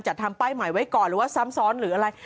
ทำป้ายใหม่ไว้ก่อนหรือว่าซ้ำซ้อนหรืออะไร